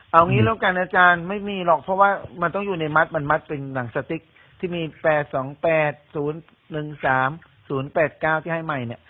เอางี้แล้วกันอาจารย์ไม่มีหรอกเพราะว่ามันต้องอยู่ในมัดมันมัดเป็นหลังสติกที่มีแปดสองแปดศูนย์หนึ่งสามศูนย์แปดเก้าที่ให้ใหม่เนี้ย